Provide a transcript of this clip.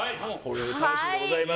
楽しみでございます。